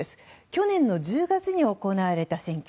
去年１０月に行われた選挙。